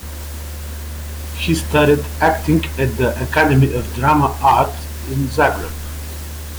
He studied acting at the Academy of Drama Art in Zagreb.